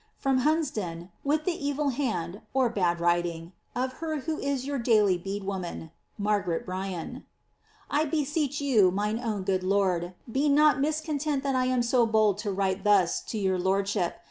From Hunsdon, with the evil band (bad writing) of her who is your daily bead woman. MAmer. Bar Air." I beseech you, mine own good lord, be not miscontent that I am so bold to write thus to your lordship.